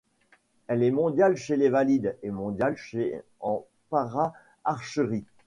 Elle est mondiale chez les valides et mondiale chez en para-archerie.